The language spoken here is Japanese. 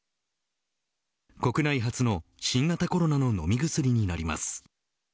国内初の新型コロナの飲み薬になります。